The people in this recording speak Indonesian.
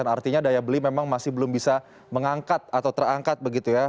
artinya daya beli memang masih belum bisa mengangkat atau terangkat begitu ya